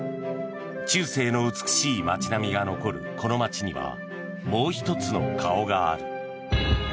中世の美しい街並みが残るこの町にはもう１つの顔がある。